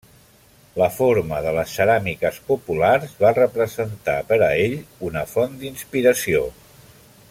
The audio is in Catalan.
La forma de les ceràmiques populars va representar per a ell una font d'inspiració.